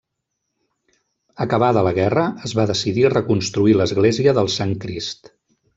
Acabada la Guerra es va decidir reconstruir l'església del Sant Crist.